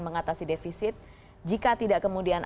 mengatasi defisit jika tidak kemudian